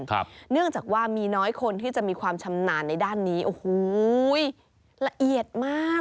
เนื่องจากว่ามีน้อยคนที่จะมีความชำนาญในด้านนี้โอ้โหละเอียดมาก